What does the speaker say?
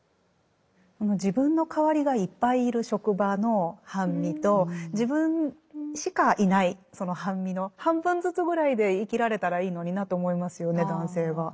自分の代わりがいっぱいいる職場の半身と自分しかいないその半身の半分ずつぐらいで生きられたらいいのになと思いますよね男性は。